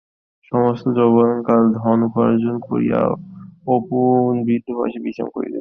সমস্ত যৌবনকাল ধন উপার্জন করিয়া অনুপ বৃদ্ধ বয়সে বিশ্রাম করিতেছিলেন।